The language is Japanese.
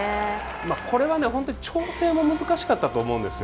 これは本当に調整も難しかったと思うんですよ。